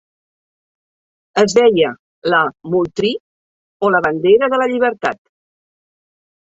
Es deia la Moultrie, o la bandera de la llibertat.